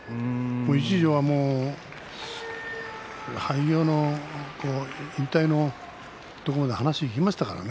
一時は廃業の引退のところまで話がいきましたからね。